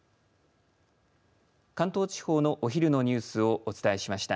関東地方のお昼のニュースをお伝えしました。